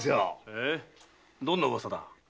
へえどんな噂だ？